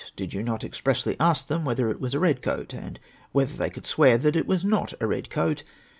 Did you not expressly ask them whether it was a red coat ? And whether they could swear that it was not a red coat